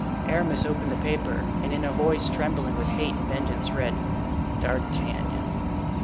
Aramis opened the paper, and in a voice trembling with hate and vengeance read "D'Artagnan."